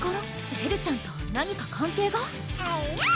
エルちゃんと何か関係が？えるぅ！